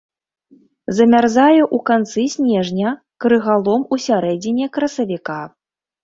Замярзае ў канцы снежня, крыгалом у сярэдзіне красавіка.